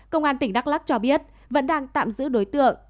công an tỉnh đắk lắc cho biết vẫn đang tạm giữ đối tượng